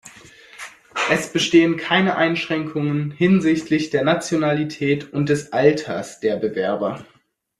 Es bestehen keine Einschränkungen hinsichtlich der Nationalität und des Alters der Bewerber.